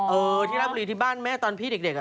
เออที่รับบุรีที่บ้านแม่ตอนพี่เด็กอ่ะ